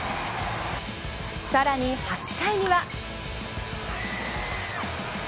さらに８回には。